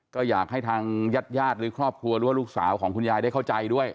ก็อยากให้ทางญาติญาติหรือครอบครัวหรือว่าลูกสาวของคุณยายได้เข้าใจด้วย